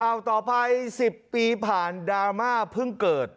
ต่อไป๑๐ปีผ่านดราม่าเพิ่งเกิด